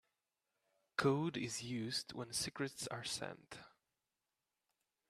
Code is used when secrets are sent.